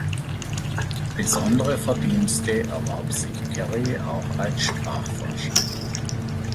Besondere Verdienste erwarb sich Carey auch als Sprachforscher.